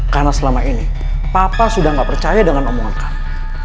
karena selama ini papa sudah gak percaya dengan omongan kamu